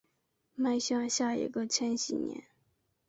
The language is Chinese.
迈向下一个千禧年